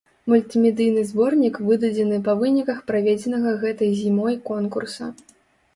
Мультымедыйны зборнік выдадзены па выніках праведзенага гэтай зімой конкурса.